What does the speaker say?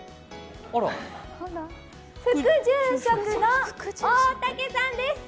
副住職の大嶽さんです。